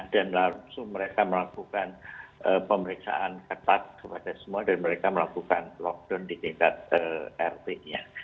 dan langsung mereka melakukan pemeriksaan ketat kepada semua dan mereka melakukan lockdown ditingkat rt nya